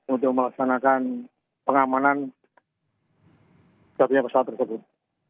untuk melaksanakan pengamanan setelah punya pesawat tersebut